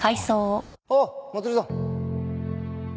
あっまつりさん。